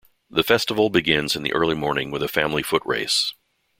The festival begins in the early morning with a family foot race.